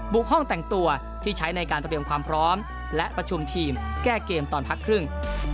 ห้องแต่งตัวที่ใช้ในการเตรียมความพร้อมและประชุมทีมแก้เกมตอนพักครึ่ง